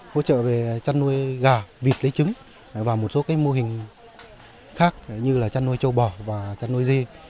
hỗ trợ về chăn nuôi gà vịt lấy trứng và một số mô hình khác như là chăn nuôi châu bò và chăn nuôi dê